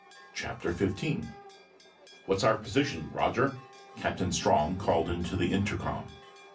CHAPTER 15 "What's our position, Roger?" Captain Strong called into the intercom.